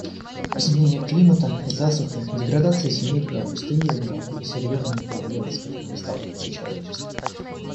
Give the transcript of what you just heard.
Изменение климата, засуха, деградация земель и опустынивание — это серьезные проблемы, с которыми сталкивается человечество.